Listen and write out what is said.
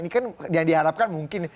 ini kan yang diharapkan mungkin